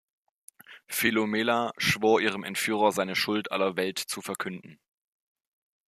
Philomela schwor ihrem Entführer seine Schuld aller Welt zu verkünden.